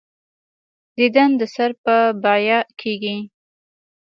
دیدن د سر په بیعه کېږي.